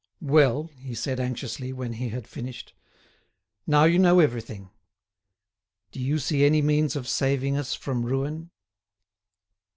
"Well," he said anxiously, when he had finished, "now you know everything. Do you see any means of saving us from ruin!"